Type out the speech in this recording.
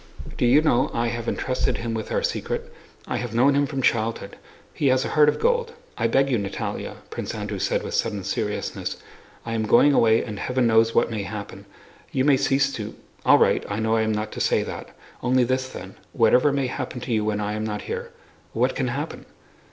"Do you know I have entrusted him with our secret? I have known him from childhood. He has a heart of gold. I beg you, Natalie," Prince Andrew said with sudden seriousness—"I am going away and heaven knows what may happen. You may cease to... all right, I know I am not to say that. Only this, then: whatever may happen to you when I am not here..." "What can happen?"